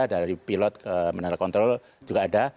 dari pilot ke menara kontrol juga ada